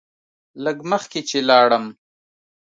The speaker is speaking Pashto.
لږ مخکې چې لاړم.